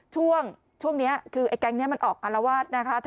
ช่วงนี้คือไอ้แก๊งนี้มันออกอารวาสนะคะ